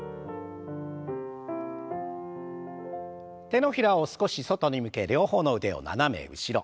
手のひらを少し外に向け両方の腕を斜め後ろ。